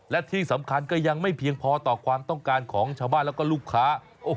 และที่สำคัญก็ยังไม่เพียงพอต่อความต้องการของชาวบ้านแล้วก็ลูกค้า